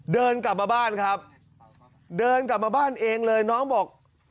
เดินกลับมาบ้านครับเดินกลับมาบ้านเองเลยน้องบอก